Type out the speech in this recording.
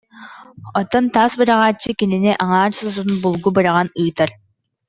Онтон таас быраҕааччы кинини аҥаар сототун булгу быраҕан ыытар